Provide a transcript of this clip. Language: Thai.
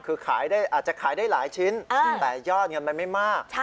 คือขายอาจจะขายได้หลายชิ้นแต่ยอดเงินมันไม่มาก